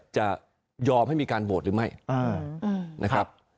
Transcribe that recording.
จะยอมให้มีการโหวตหรือไม่นะครับ